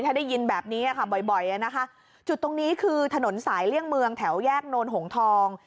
ถ้าได้ยินแบบนี้ค่ะบ่อยนะคะจุดตรงนี้คือถนนสายเลี่ยงเมืองแถวแยกโนนหงทอง